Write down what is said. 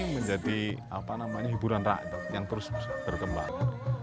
menjadi hiburan rakyat yang terus berkembang